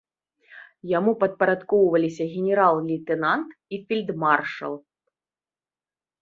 Яму падпарадкоўваліся генерал-лейтэнант і фельдмаршал.